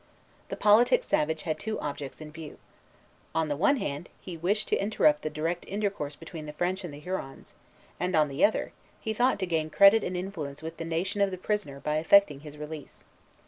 The politic savage had two objects in view. On the one hand, he wished to interrupt the direct intercourse between the French and the Hurons; and, on the other, he thought to gain credit and influence with the nation of the prisoner by effecting his release.